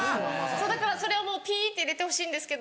だからそれはもうピって入れてほしいんですけど。